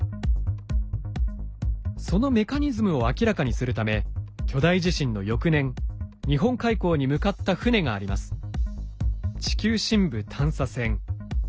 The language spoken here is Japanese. そのメカニズムを明らかにするため巨大地震の翌年日本海溝に向かった船があります。